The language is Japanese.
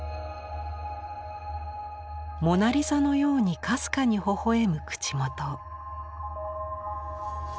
モナリザのようにかすかにほほ笑む口元。